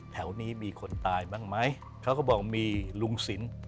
แถวนี้มีคนตายบ้างไหมเขาก็บอกมีลุงสิน